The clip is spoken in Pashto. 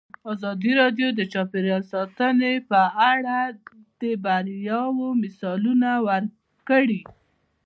ازادي راډیو د چاپیریال ساتنه په اړه د بریاوو مثالونه ورکړي.